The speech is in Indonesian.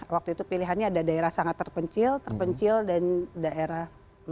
waktu itu pilihannya ada daerah sangat terpencil terpencil dan daerah